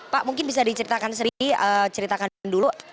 pak mungkin bisa diceritakan sri ceritakan dulu